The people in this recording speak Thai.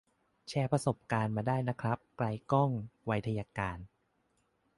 แชร์ประสบการณ์มาได้นะครับ ไกลก้อง ไวทยการ